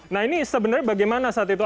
nah ini sebenarnya bagaimana saat itu